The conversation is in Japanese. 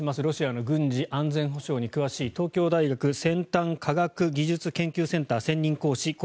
ロシアの軍事・安全保障に詳しい東京大学先端科学技術研究センター専任講師